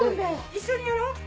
一緒にやろう。